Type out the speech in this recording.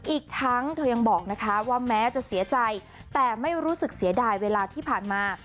อีกทั้งเธอยังบอกนะคะว่าแม้จะเสียใจแต่ไม่รู้สึกเสียดายเวลาที่ผ่านมา